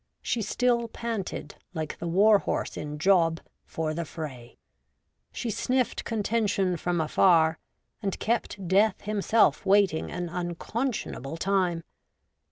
She still panted, like the war horse in Job, for the fray ; she sniffed contention from afar, and kept Death himself waiting an unconscionable time.